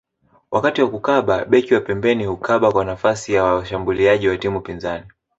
Wakati wa kukaba beki wa pembeni hukaba kwa nafasi ya washambuliaji wa timu pinzani